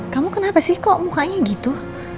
kamu kenapa sih kok mukanya gitu